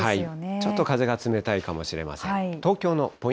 ちょっと風が冷たいかもしれません。